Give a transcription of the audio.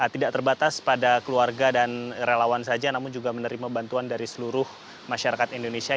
tidak terbatas pada keluarga dan relawan saja namun juga menerima bantuan dari seluruh masyarakat indonesia